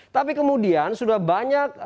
tapi kemudian sudah banyak